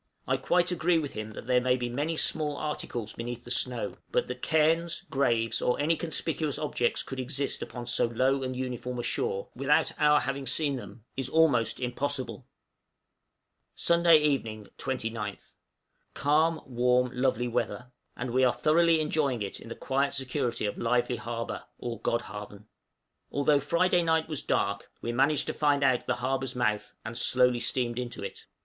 I quite agree with him that there may be many small articles beneath the snow; but that cairns, graves, or any conspicuous objects could exist upon so low and uniform a shore, without our having seen them, is almost impossible. {LETTERS FROM ENGLAND.} Sunday evening, 29th. Calm, warm, lovely, weather; and we are thoroughly enjoying it in the quiet security of Lievely harbor, or Godhavn. Although Friday night was dark, we managed to find out the harbor's mouth, and slowly steamed into it.